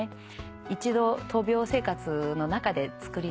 一度闘病生活の中で作りながら。